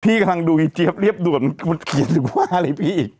กำลังดูอีเจี๊ยบเรียบด่วนมันเขียนหรือว่าอะไรพี่อีก